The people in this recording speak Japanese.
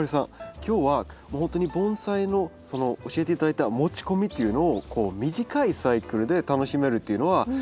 今日はほんとに盆栽の教えて頂いた持ち込みっていうのをこう短いサイクルで楽しめるというのはすごくいいなと思いました。